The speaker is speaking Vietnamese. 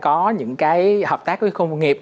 có những cái hợp tác với khu công nghiệp